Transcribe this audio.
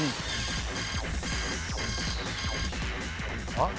あっ？